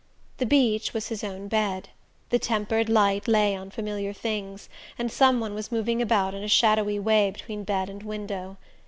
The beach was his own bed; the tempered light lay on familiar things, and some one was moving about in a shadowy way between bed and window.